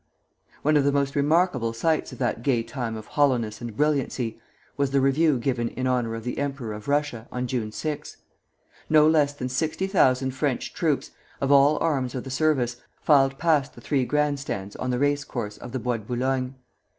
One of the most remarkable sights of that gay time of hollowness and brilliancy was the review given in honor of the Emperor of Russia, on June 6. No less than sixty thousand French troops, of all arms of the service, filed past the three grand stands on the race course of the Bois de Boulogne.